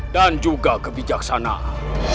dan juga kebijaksanaan